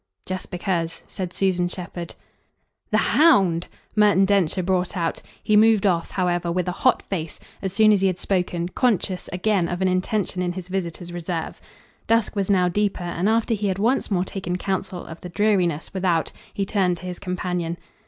"Just because," said Susan Shepherd. "The hound!" Merton Densher brought out. He moved off, however, with a hot face, as soon as he had spoken, conscious again of an intention in his visitor's reserve. Dusk was now deeper, and after he had once more taken counsel of the dreariness without he turned to his companion.